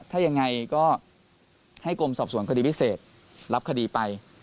ถ้ายังไงก็ให้กรมสอบสวนคดีพิเศษรับคดีไป